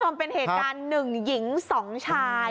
มันเป็นเหตุการณ์หนึ่งหญิงสองชาย